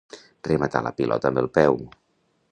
Rematar la pilota amb el peu.